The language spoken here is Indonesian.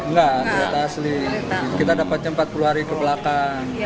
enggak ternyata asli kita dapatnya empat puluh hari kebelakang